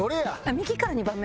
右から２番目？